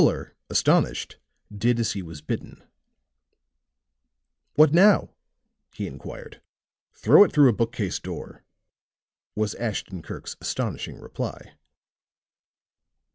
Fuller, astonished, did as he was bidden. "What now?" he inquired. "Throw it through a bookcase door," was Ashton Kirk's astonishing reply.